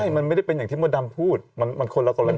ไม่มันไม่ได้เป็นอย่างที่มดัมพูดมันคนละกรณีกัน